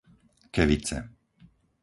Kevice